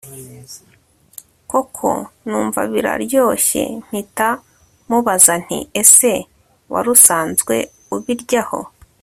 koko numva biraryoshye mpita mubaza nti ese warusanzwe ubiryaho!